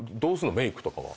メイクとかは。